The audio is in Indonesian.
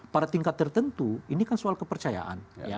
pada tingkat tertentu ini kan soal kepercayaan